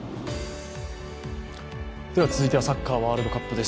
続いてはサッカーワールドカップです。